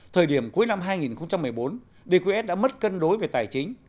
thời điểm cuối năm hai nghìn một mươi bốn dqs đã mất cân đối về tài chính